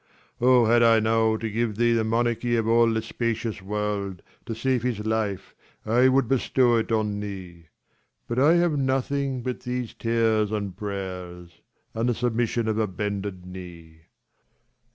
Oh, had I now to give thee The monarchy of all the spacious world To save his life, I would bestow it on thee : But I have nothing but these tears and prayers, 270 And the submission of a bended knee.